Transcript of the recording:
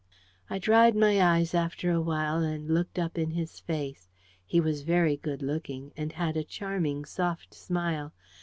I dried my eyes after a while, and looked up in his face. He was very good looking, and had a charming soft smile.